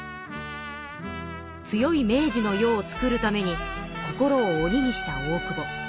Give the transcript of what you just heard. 強い明治の世をつくるために心をおににした大久保。